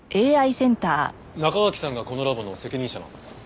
中垣さんがこのラボの責任者なんですか？